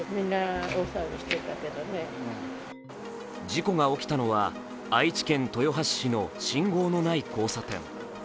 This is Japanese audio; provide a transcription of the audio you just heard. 事故が起きたのは愛知県豊橋市の信号のない交差点。